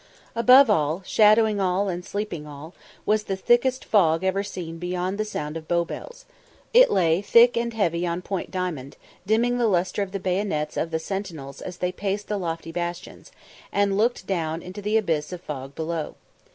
Above all, shadowing all, and steeping all, was the thickest fog ever seen beyond the sound of Bow bells. It lay thick and heavy on Point Diamond, dimming the lustre of the bayonets of the sentinels as they paced the lofty bastions, and looked down into the abyss of fog below.